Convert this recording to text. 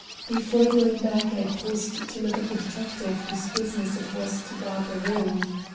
Before going back I paused to look at the detective whose business it was to guard the room.